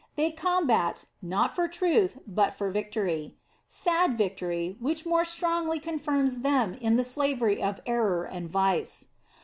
They combat, not for truth, but for victory. Sad victory, which more strongly 56 The Sign of the Cross. 57 confirms them in the slavery of error and vice!